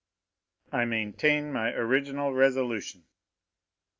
"I maintain my original resolution."